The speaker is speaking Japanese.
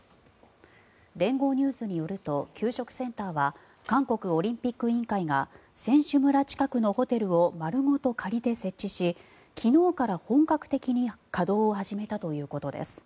連合ニュースによると給食センターは韓国オリンピック委員会が選手村近くのホテルを丸ごと借りて設置し昨日から本格的に稼働を始めたということです。